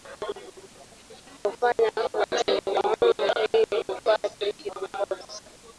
kufanya mazingaumbwe ili upate kiongozi